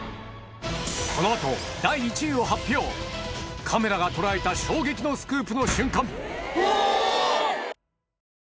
この後第１位を発表カメラが捉えた衝撃のスクープの瞬間うわ！